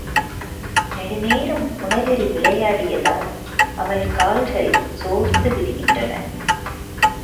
நெடுநேரம் புனலில் விளையாடியதால் அவள் கால்கள் சோர்ந்துவிடுகின்றன.